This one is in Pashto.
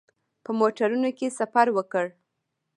په موټرونو کې سفر وکړ.